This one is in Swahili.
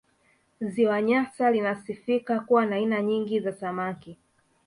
Ziwa Nyasa linasifika kuwa na aina nyingi za samaki